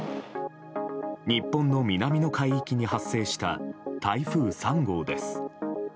日本の南の海域に発生した台風３号です。